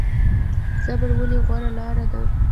صبر ولې غوره لاره ده؟